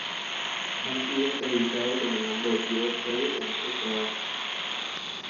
Ha sido acreditado con el nombre Geoff Perry en otros trabajos.